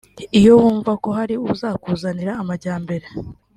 iyo wumva ko hari uzakuzanira amajyambere